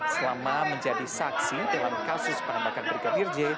selama menjadi saksi dalam kasus penembakan brigadir j